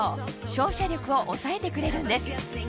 照射力を抑えてくれるんです